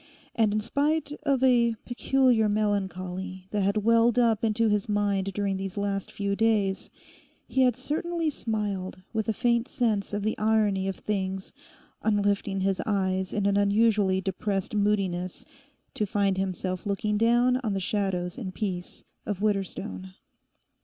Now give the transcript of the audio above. And in spite of a peculiar melancholy that had welled up into his mind during these last few days, he had certainly smiled with a faint sense of the irony of things on lifting his eyes in an unusually depressed moodiness to find himself looking down on the shadows and peace of Widderstone.